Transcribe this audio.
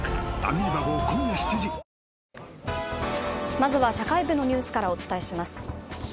まずは社会部のニュースからお伝えします。